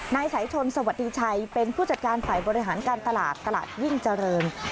นายสายชนสวัสดีชัยเป็นผู้จัดการฝ่ายบริหารการตลาดตลาดยิ่งเจริญ